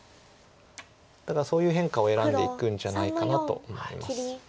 だからそういう変化を選んでいくんじゃないかなと思います。